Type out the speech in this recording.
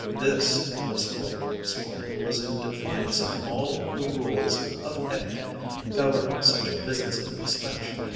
This, Miss Blake explained, was in defiance of all the rules of etiquette governing such visits of inspection.